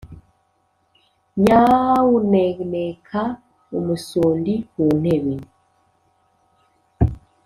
nyawlneneka: umusundi ku ntebe